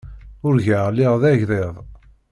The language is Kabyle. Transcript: Urgaɣ lliɣ d agḍiḍ.